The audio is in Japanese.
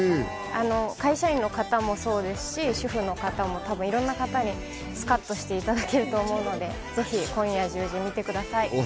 会社員の方もそうですし、主婦の方も多分いろんな方にスカッとしていただけると思うので、ぜひ今夜１０時、見てください。